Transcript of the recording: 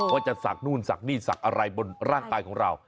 ว่าจะสักนู่นสักนี่สักอะไรบนร่างตายของเรา